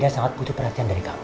dina sangat butuh perhatian dari kamu